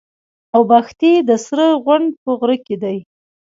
اوبښتي د سره غونډ په غره کي دي.